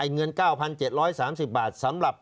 เงิน๙๗๓๐บาทสำหรับ